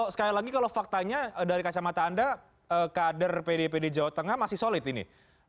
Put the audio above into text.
sekali lagi kalau faktanya dari kacamata anda kader pd pd jawa tengah masih solid ini